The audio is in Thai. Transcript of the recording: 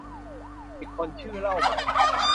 อีกคนชื่อเล่าใหม่